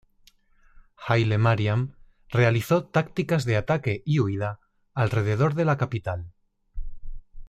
Haile Mariam realizó tácticas de ataque y huida alrededor de la capital.